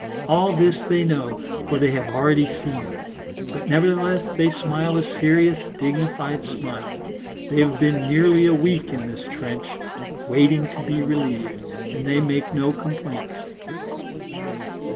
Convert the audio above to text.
All this they know, for they have already seen it, but nevertheless they smile a serious, dignified smile. They have been nearly a week in this trench, waiting to be relieved, and they make no complaints.